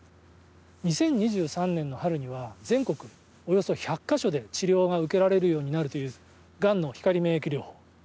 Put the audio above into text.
２０２３年の春には全国およそ１００か所で治療が受けられるようになるというがんの光免疫療法。